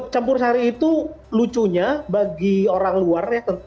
campur sari itu lucunya bagi orang luar ya